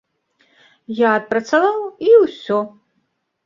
Я адпрацаваў, і ўсё.